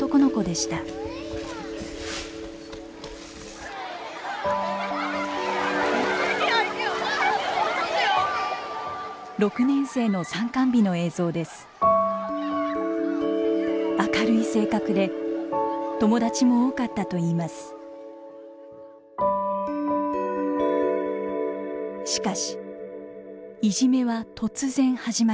しかしいじめは突然始まりました。